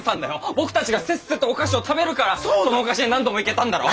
僕たちがせっせとお菓子を食べるからそのお菓子屋に何度も行けたんだろう？